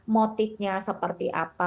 motifnya seperti apa